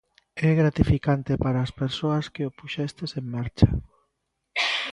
É gratificante para as persoas que o puxestes en marcha?